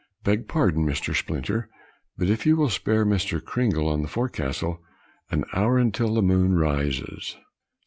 "Beg pardon Mr. Splinter, but if you will spare Mr. Cringle on the forecastle an hour, until the moon rises."